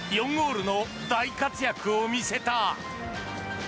４ゴールの大活躍を見せた。